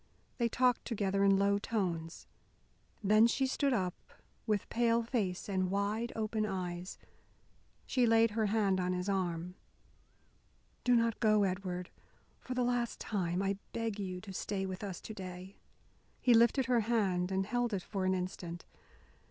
They talked together in low tones. Then she stood up, with pale face and wide open eyes. She laid her hand on his arm. "Do not go, Edward. For the last time I beg you to stay with us to day." He lifted her hand and held it for an instant.